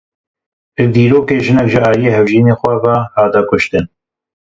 Li Dîlokê jinek ji aliyê hevjînê xwe ve hat kuştin.